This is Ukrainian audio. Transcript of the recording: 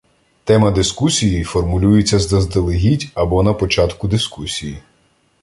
Тема дискусії формулюється заздалегідь або на початку дискусії.